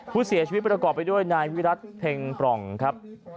ผู้เสียชีวิตประกอบไปด้วยนายวิรัติเพ็งปล่องครับ